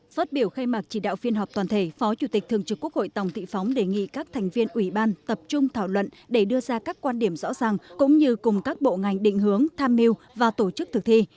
phát biểu khai mạc chỉ đạo phiên họp toàn thể phó chủ tịch thường trực quốc hội tòng thị phóng đề nghị các thành viên ủy ban tập trung thảo luận để đưa ra các quan điểm rõ ràng cũng như cùng các bộ ngành định hướng tham mưu và tổ chức thực thi